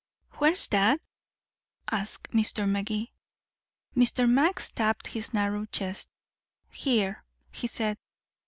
"Where's that?" asked Mr. Magee. Mr. Max tapped his narrow chest. "Here," he said.